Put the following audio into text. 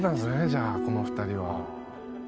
じゃあこの２人は。